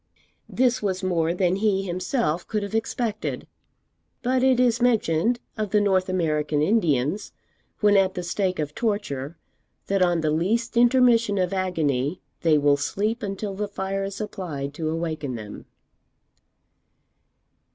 This was more than he himself could have expected; but it is mentioned of the North American Indians, when at the stake of torture, that on the least intermission of agony they will sleep until the fire is applied to awaken them.